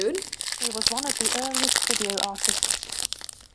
He was one of the earliest video artists.